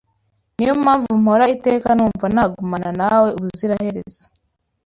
ni yo mpamvu mpora iteka numva nagumana nawe ubuziraherezo